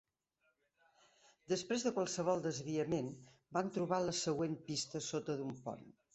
Després de qualsevol desviament, van trobar la següent pista sota d'un pont.